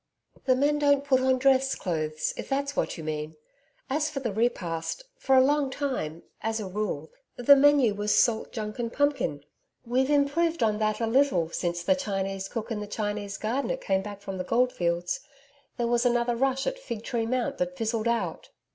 'The men don't put on dress clothes, if that's what you mean. As for the repast, for a long time, as a rule, the menu was salt junk and pumpkin. We've improved on that a little since the Chinese cook and the Chinese gardener came back from the goldfields there was another rush at Fig Tree Mount that fizzled out.